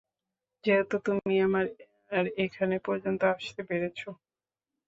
যেহেতু তুমি আমার এখানে পর্যন্ত আসতে পেরেছ।